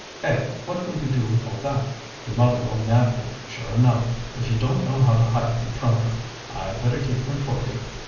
"Eh! what will you do with all that? Your mother will nab them, sure enough, if you don't know how to hide them from her. I'd better keep them for you.